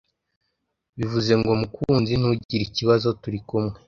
bivuze ngo Mukunzi ntugire ikibazo turi kumwe